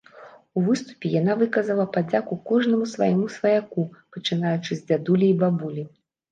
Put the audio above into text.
У выступе яна выказала падзяку кожнаму свайму сваяку, пачынаючы з дзядулі і бабулі.